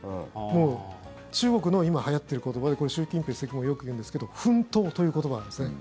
もう中国の今、はやっている言葉で習近平主席もよく言うんですけど奮闘という言葉があるんですね。